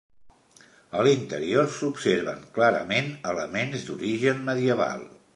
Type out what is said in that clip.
A l'interior s'observen clarament elements d'origen medieval.